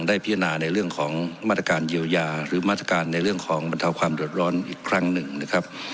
ได้พิจารณาในเรื่องของมาตรการเยียวยาหรือมาตรการในเรื่องของบรรเทาความเดือดร้อนอีกครั้งหนึ่งนะครับ